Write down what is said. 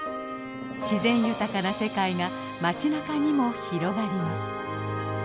自然豊かな世界が街なかにも広がります。